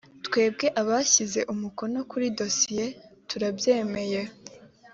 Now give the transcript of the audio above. twebwe abashyize umukono kuri dosiye turabyemeye